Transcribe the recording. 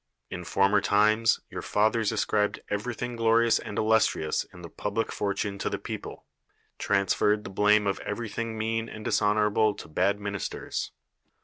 In former times your fathers as cribed everythinir glorious and illustrious in the public fortune to the people; transferred the blame of everything mean and dishonorable to bad ministers.